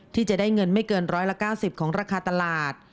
ที่จะได้เงินไม่เกิน๑๙๐ของราคาตลาด